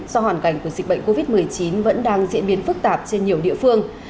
do hoàn cảnh của dịch bệnh covid một mươi chín vẫn đang diễn biến phức tạp trên nhiều địa phương